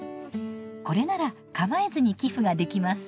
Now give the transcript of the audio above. これなら構えずに寄付ができます。